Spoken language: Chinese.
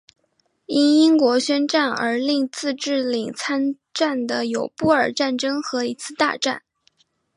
因英国宣战而令自治领参战的有布尔战争和一次大战。